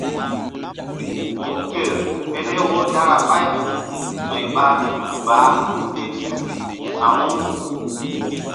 Mú ker pele wo dara ɓay soy ɓa nzukbaa ke nzuk sa̧wu.